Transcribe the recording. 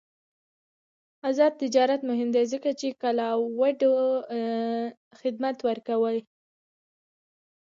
آزاد تجارت مهم دی ځکه چې کلاؤډ خدمات ورکوي.